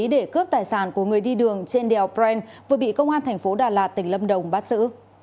để cướp tài sản của người đi đường trên đèo brent vừa bị công an thành phố đà lạt tỉnh lâm đồng bắt xử